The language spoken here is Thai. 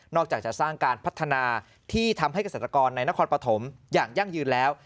อกจากจะสร้างการพัฒนาที่ทำให้เกษตรกรในนครปฐมอย่างยั่งยืนแล้ว